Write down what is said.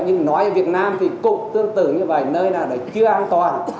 nhưng nói việt nam thì cũng tương tự như vậy nơi nào đấy chưa an toàn